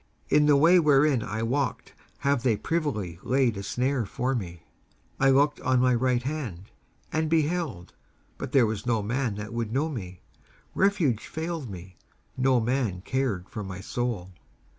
In the way wherein I walked have they privily laid a snare for me. 19:142:004 I looked on my right hand, and beheld, but there was no man that would know me: refuge failed me; no man cared for my soul.